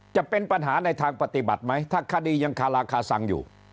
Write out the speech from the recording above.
จะเป็นปัญหาในทางปฎิบัติไม่ถ้ากดียัง้าลากาศักดิ์อยู่